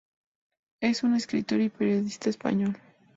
Es un escritor y periodista español.